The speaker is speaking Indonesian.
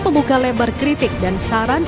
membuka lebar kritik dan saran